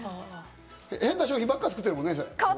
変な商品ばっか作ってるもんね。